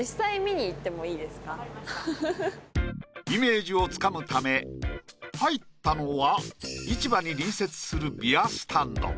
イメージをつかむため入ったのは市場に隣接する。